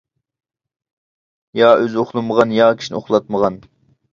يا ئۆزى ئۇخلىمىغان، يا كىشىنى ئۇخلاتمىغان!